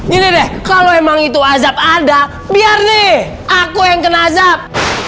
gini deh kalo emang itu azab ada biar nih aku yang kena azab